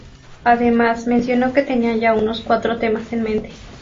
Además mencionó que tenían ya unos cuatro temas en mente.